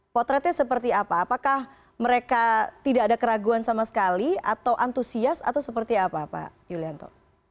potretnya seperti apa apakah mereka tidak ada keraguan sama sekali atau antusias atau seperti apa pak yulianto